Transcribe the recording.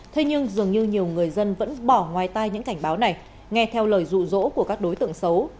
thế nhưng dường như nhiều người dân vẫn bỏ ngoài tai những cảnh báo này nghe theo lời rụ rỗ của các đối tượng xấu